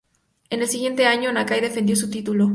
En el siguiente año Nakai defendió su título.